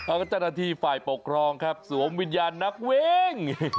เอาจรภัณฑ์ที่ฝ่ายปกครองครับสวมวิญญาณนักเว้ง